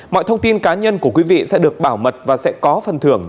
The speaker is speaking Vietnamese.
mọi thông tin cá nhân của quý vị sẽ được bảo mật và sẽ có phần thưởng